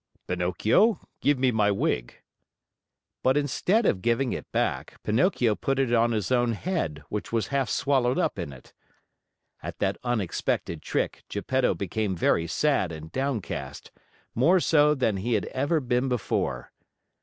"Pinocchio, give me my wig!" But instead of giving it back, Pinocchio put it on his own head, which was half swallowed up in it. At that unexpected trick, Geppetto became very sad and downcast, more so than he had ever been before.